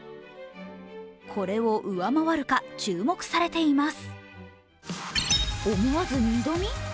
これを上回るか注目されています。